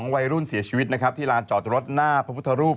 วัยรุ่นเสียชีวิตนะครับที่ลานจอดรถหน้าพระพุทธรูป